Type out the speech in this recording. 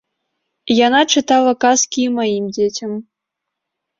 Яна чытала казкі і маім дзецям.